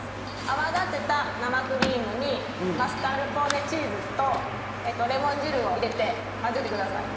泡立てた生クリームにマスカルポーネチーズとレモン汁を入れて混ぜてください。